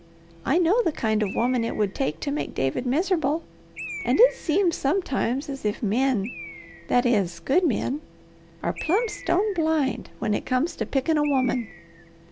I know the kind o' woman it would take to make David miserable, and it seems sometimes as if men that is good men are plumb, stone blind when it comes to pickin' a woman.